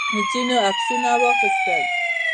ځینو عکسونه واخیستل.